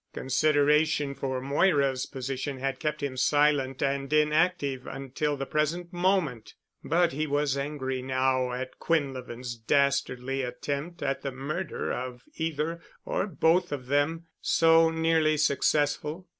Consideration for Moira's position had kept him silent and inactive until the present moment, but he was angry now at Quinlevin's dastardly attempt at the murder of either or both of them, so nearly successful.